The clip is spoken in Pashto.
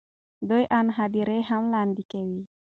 دوی آن هدیرې هم لاندې کوي.